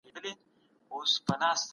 طبیعي پیښي د ژوند حق ګواښي.